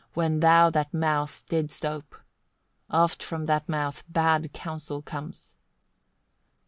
when thou that mouth didst ope. Oft from that mouth bad counsel comes."